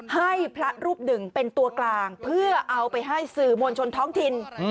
ให้พระรูปหนึ่งเป็นตัวกลางเพื่อเอาไปให้สื่อมวลชนท้องถิ่น